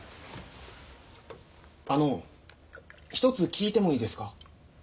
あのう１つ聞いてもいいですか？